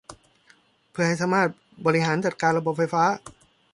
เพื่อให้สามารถบริหารจัดการระบบไฟฟ้า